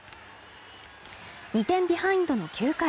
２点ビハインドの９回。